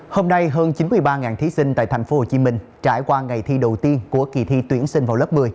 hôm nay hơn chín mươi ba thí sinh tại tp hcm trải qua ngày thi đầu tiên của kỳ thi tuyển sinh vào lớp một mươi